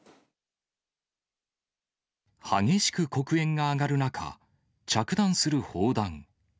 激しく黒煙が上がる中、着弾する砲弾。